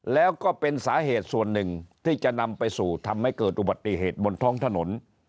แล้วก็เป็นสาเหตุส่วนหนึ่งที่จะนำไปสู่ทำให้เกิดอุบัติเหตุบนท้องถนน